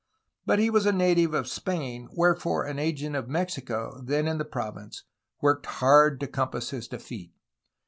But he was a native of Spain, where fore an agent of Mexico then in the province worked hard to compass his defeat.